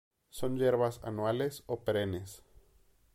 Son hierbas, anuales o perennes.